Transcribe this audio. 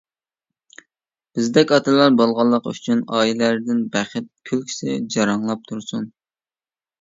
بىزدەك ئاتىلار بولغانلىقى ئۈچۈن ئائىلىلەردىن بەخت كۈلكىسى جاراڭلاپ تۇرسۇن!